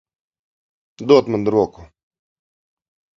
Dod man roku.